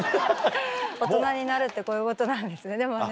大人になるってこういうことなんですねでもね。